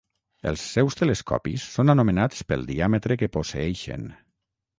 Els seus telescopis són anomenats pel diàmetre que posseeixen.